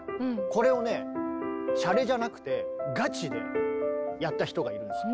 これをねしゃれじゃなくてガチでやった人がいるんです。